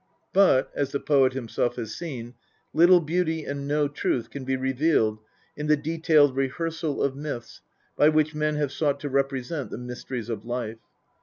But, as the poet himself has seen, little beauty and no truth can be revealed in the detailed rehearsal of myths by which men have sought to represent the mysteries of life.